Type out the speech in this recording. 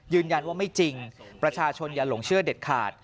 ยืนยันว่าไม่จริงประชาชนอย่าหลงเชื่อเด็ดขาด